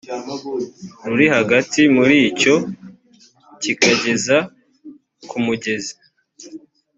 ruri hagati muri cyo kikageza ku mugezi